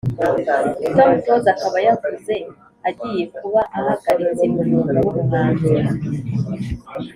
tom close akaba yavuze agiye kuba ahagaritse umwuga wubuhanzi